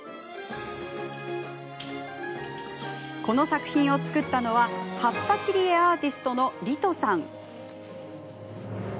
この作品を作ったのは葉っぱ切り絵アーティストのリトさん。